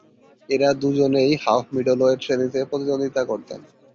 এঁরা দুজনেই হাফ-মিডলওয়েট শ্রেণীতে প্রতিদ্বন্দ্বিতা করতেন।